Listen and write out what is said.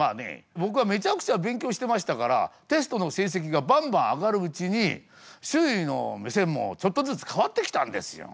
僕はめちゃくちゃ勉強してましたからテストの成績がバンバン上がるうちに周囲の目線もちょっとずつ変わってきたんですよ。